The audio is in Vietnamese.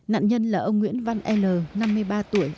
nạn nhân là ông nguyễn văn l năm mươi ba tuổi